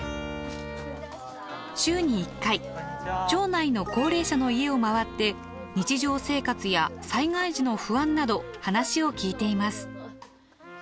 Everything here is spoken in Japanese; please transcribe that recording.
週に１回町内の高齢者の家を回って日常生活や災害時の不安など話を聞いています。